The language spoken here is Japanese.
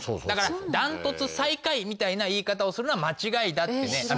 だからダントツ最下位みたいな言い方をするのは間違いだってね。